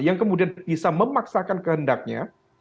yang kemudian bisa memaksakan kehendaknya